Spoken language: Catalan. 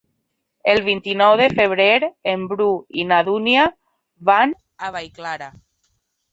El vint-i-nou de febrer en Bru i na Dúnia van a Vallclara.